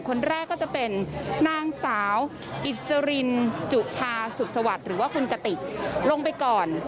คนแรกก็จะเป็นนางสาวอิสรินจุธาสุขสวัสดิ์หรือว่าคุณกติกลงไปก่อน